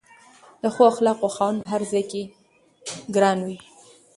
د ښو اخلاقو خاوند په هر ځای کې ګران وي.